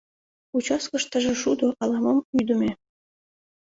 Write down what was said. — Участкыштыже шудо, ала-мом ӱдымӧ...